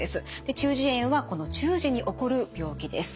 中耳炎はこの中耳に起こる病気です。